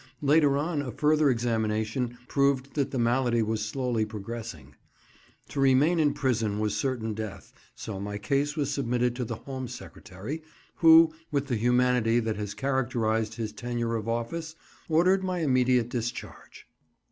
Later on a further examination proved that the malady was slowly progressing. To remain in prison was certain death, so my case was submitted to the Home Secretary, who, with the humanity that has characterised his tenure of office, ordered my immediate discharge.